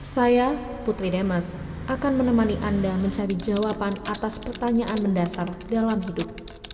saya putri demas akan menemani anda mencari jawaban atas pertanyaan mendasar dalam hidup